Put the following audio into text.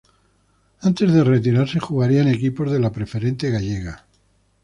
Antes de retirarse, jugaría en equipos de la preferente gallega.